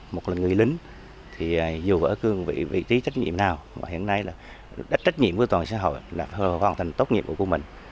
một lần người lính dù ở cương vị vị trí trách nhiệm nào hiện nay trách nhiệm của toàn xã hội là hoàn thành tốt nhiệm vụ của mình